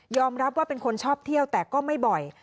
รับว่าเป็นคนชอบเที่ยวแต่ก็ไม่บ่อย